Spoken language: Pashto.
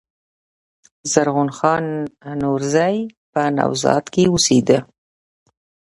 زرغون خان نورزي په "نوزاد" کښي اوسېدﺉ.